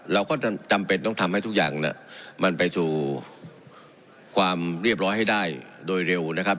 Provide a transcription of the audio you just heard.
เราก็จำเป็นต้องทำให้ทุกอย่างมันไปสู่ความเรียบร้อยให้ได้โดยเร็วนะครับ